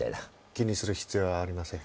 気にする必要はありません。